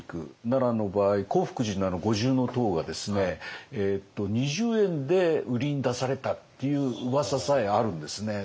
奈良の場合興福寺の五重塔が２０円で売りに出されたっていう噂さえあるんですね。